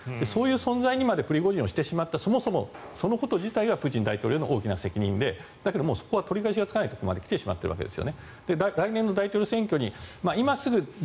そういう存在にまでプリゴジンをしてしまったそのこと自体がプーチン大統領の大きな責任でしかしそれは取り返しがつかないところまで来てしまっています。